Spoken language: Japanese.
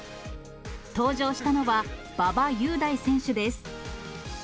登場したのは馬場雄大選手です。